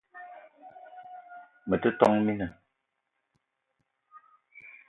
Me te , tόn mina